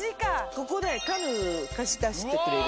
ここでカヌー貸し出してくれる。